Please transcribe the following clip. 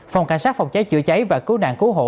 phòng cảnh sát phòng cháy chữa cháy và cứu nạn cứu hộ